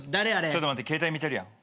ちょっと待って携帯見てるやん。